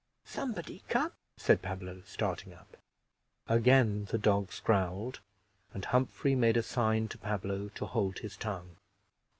"Somebody come," said Pablo, starting up. Again the dogs growled, and Humphrey made a sign to Pablo to hold his tongue.